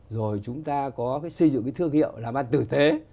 rồi chúng ta có phải xây dựng cái thương hiệu làm ăn tử thế